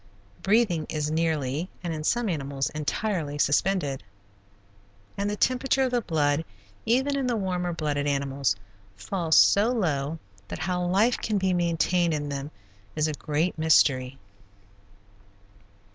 Breathing is nearly, and in some animals, entirely suspended, and the temperature of the blood even in the warmer blooded animals, falls so low that how life can be maintained in them is a great mystery.